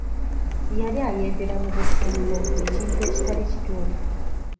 Yali ayendera mu bufumbo ekintu ekitali kituufu.